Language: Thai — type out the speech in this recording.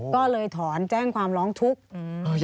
ก็เลยถอนแจ้งความร้องทุกข์